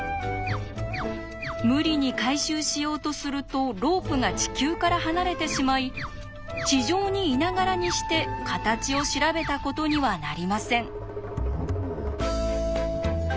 無理に回収しようとするとロープが地球から離れてしまい地上にいながらにして形を調べたことにはなりません。